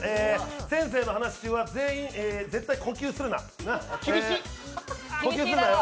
先生の話は全員、絶対呼吸するなよ。